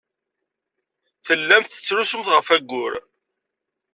Tellamt tettrusumt ɣef wayyur.